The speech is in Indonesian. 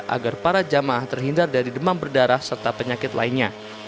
agar para jamaah terhindar dari demam berdarah serta penyakit lainnya